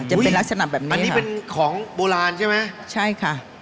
จะเป็นลักษณะแบบนั้นอันนี้เป็นของโบราณใช่ไหมใช่ค่ะ